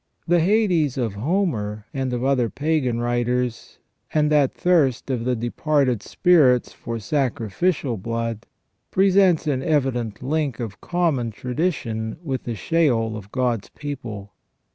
The Hades of Homer, and of other pagan writers, and that thirst of the departed spirits for sacrificial blood, presents an evident link of common tradition with the Sheol of God's people.